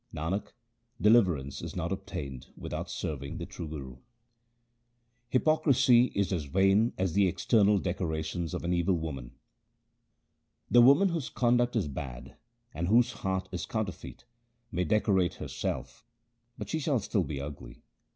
Nanak, deliverance is not obtained without serving the true Guru. Hypocrisy is as vain as the external decorations of an evil woman :— The woman whose conduct is bad, and whose heart is counterfeit, may decorate herself, but she shall still be ugly.